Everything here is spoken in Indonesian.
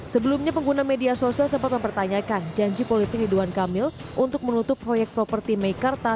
sebelumnya pengguna media sosial sempat mempertanyakan janji politik ridwan kamil untuk menutup proyek properti meikarta